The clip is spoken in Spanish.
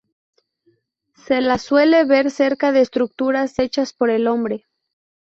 Se la suele ver cerca de estructuras hechas por el hombre.